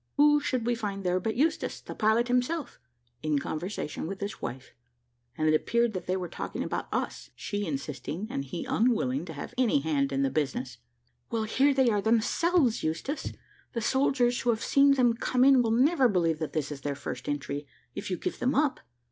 Who should we find there but Eustache, the pilot himself, in conversation with his wife; and it appeared that they were talking about us, she insisting, and he unwilling to have any hand in the business. "Well, here they are themselves, Eustache: the soldiers who have seen them come in will never believe that this is their first entry, if you give them up.